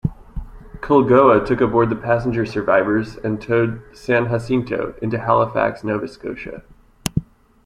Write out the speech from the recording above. "Culgoa" took aboard the passenger survivors and towed "San Jacinto" into Halifax, Nova Scotia.